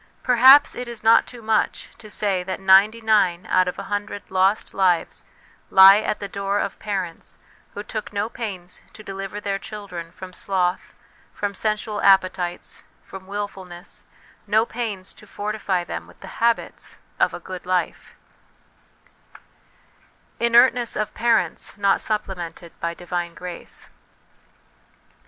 Perhaps it is not too much to say, that ninety nine out of a hundred lost lives lie at the door of parents who took no pains to deliver their children from sloth, from sensual appetites, from wilfulncss, no pains to fortify them with the habits of a good life. THE WILL CONSCIENCE DIVINE LIFE 331 Inertness of Parents not supplemented by Divine Grace.